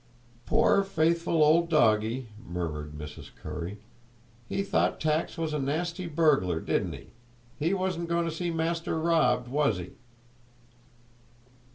"Poor, faithful old doggie!" murmured Mrs. Currie; "he thought Tacks was a nasty burglar, didn't he? He wasn't going to see master robbed was he?"